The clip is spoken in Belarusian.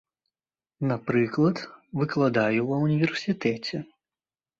Напрыклад, выкладаю ва універсітэце.